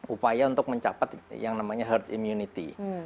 upaya untuk mencapai yang namanya herd immunity